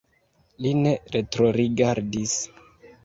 Li ne retrorigardis.